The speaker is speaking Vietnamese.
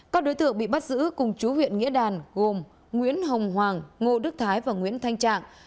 các đối tượng bị bắt giữ cùng chú huyện nghĩa đàn gồm nguyễn hồng hoàng ngô đức thái và nguyễn thanh trạng